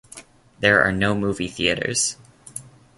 There are no movie theatres.